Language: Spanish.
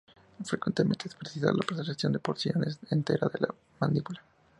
Frecuentemente es precisa la resección de porciones enteras de la mandíbula.